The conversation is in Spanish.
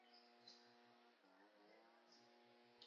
Allí, en un instante terrible, lo pierden para siempre.